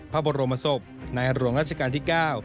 พระบรมศพนายหลวงราชการที่เก้า